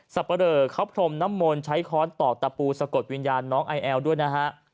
ปะเรอเขาพรมน้ำมนต์ใช้ค้อนตอกตะปูสะกดวิญญาณน้องไอแอลด้วยนะฮะ